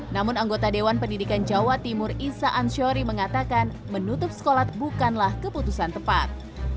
namun anggota dewan pendidikan jawa timur isa anshori mengatakan menutup sekolah bukanlah keputusan tepat